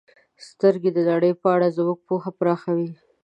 • سترګې د نړۍ په اړه زموږ پوهه پراخوي.